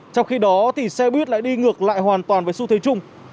trong khi đó xe buýt lại đi ngược lại hoàn toàn với xu thế chung